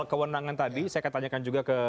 kewenangan tadi saya akan tanyakan juga ke